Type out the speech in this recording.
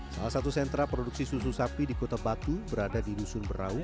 salah satu sentra produksi susu sapi di kota batu berada di dusun berau